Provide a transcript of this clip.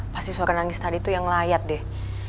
pasti suara nangis tadi itu yang layak deh